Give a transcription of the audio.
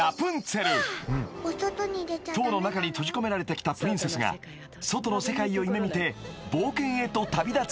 ［塔の中に閉じ込められてきたプリンセスが外の世界を夢見て冒険へと旅立つ物語］